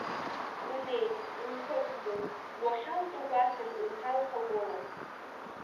Унеи, унхықәгыл, уахьалҟьо гәаҭан, унҭал хакәыла.